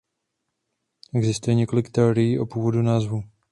Existuje několik teorií o původu názvu.